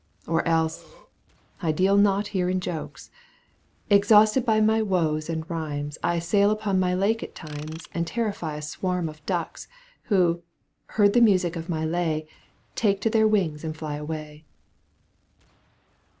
Or else (I deal not here in jokes). Exhausted by my woes and rhymes, I sail upon my lake at times And terrify a swarm of ducks, Who, heard the music of my lay. Take to their wings and fly away.